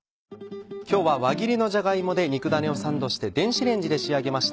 今日は輪切りのじゃが芋で肉だねをサンドして電子レンジで仕上げました